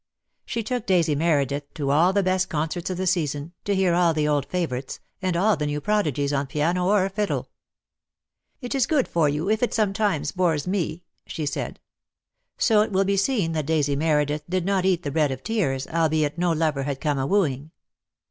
She took Daisy Meredith to all the best concerts of the season, to hear all the old favourites, and all the new prodigies on piano or fiddle. "It is good for you, if it sometimes bores me," she said, .fj ^,.^,.,f ,■;;.,...^,;;■,;'■;;^.,! v ;. .'V,' So it will be seen that Daisy Meredith did not eat the bread of tears, albeit no lover had come a wooing.